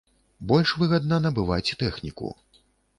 Больш выгадна набываць тэхніку.